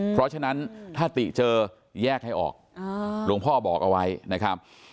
เพราะฉะนั้นถ้าติเจอแยกให้ออกหลวงพ่อบอกเอาไว้นะครับ